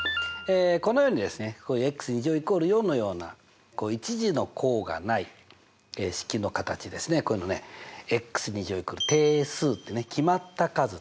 このようにですね＝４のような１次の項がない式の形ですねこういうのね＝定数ってね決まった数っていうタイプね。